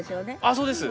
そうです。